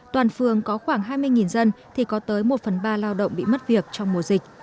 toàn phường có khoảng hai mươi dân thì có tới một phần ba lao động bị mất việc trong mùa dịch